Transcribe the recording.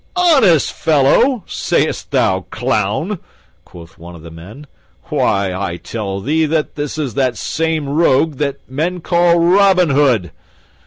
"'Honest fellow,' sayst thou, clown?" quoth one of the men "Why, I tell thee that this is that same rogue that men call Robin Hood."